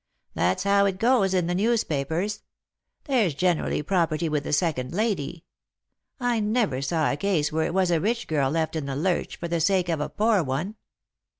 That's how it goes in the newspapers. There's generally property with the second lady. I never saw a case where it was a rich girl left in the lurch for the sake of a poor one."